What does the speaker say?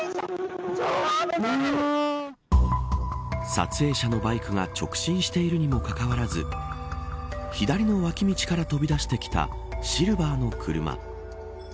撮影者のバイクが直進しているにもかかわらず左の脇道から飛び出してきたシルバーの車。